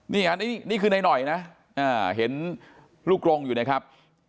นี่คือน้อยนะเห็นลูกลงอยู่นะครับ